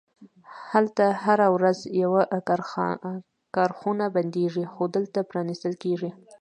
هلته هره ورځ یوه کارخونه بندیږي، خو دلته پرانیستل کیږي